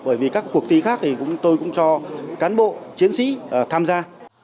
bởi vì các cuộc thi khác thì tôi cũng cho cán bộ chiến sĩ tham gia